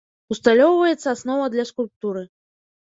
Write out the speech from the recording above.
Усталёўваецца аснова для скульптуры.